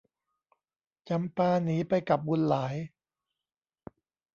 จำปาหนีไปกับบุญหลาย